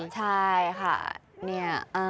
ใช่ค่ะเนี่ย